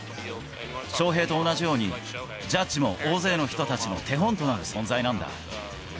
翔平と同じように、ジャッジも大勢の人たちの手本となる存在なんだ。